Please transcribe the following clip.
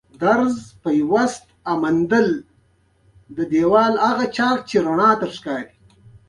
په حقیقت کې هغه یې پر ځان نه ګڼي.